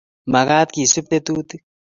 mekat kesub tetutik